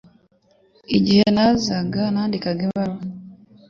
Igihe yazaga, nandikaga ibaruwa.